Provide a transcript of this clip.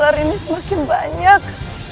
dari ini semakin banyak